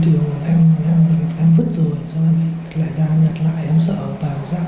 thì em em vứt rồi xong em lại ra em nhặt lại em sợ bảo giác